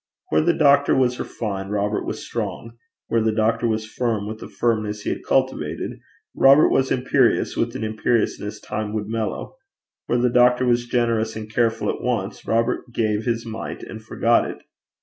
Where the doctor was refined, Robert was strong; where the doctor was firm with a firmness he had cultivated, Robert was imperious with an imperiousness time would mellow; where the doctor was generous and careful at once, Robert gave his mite and forgot it.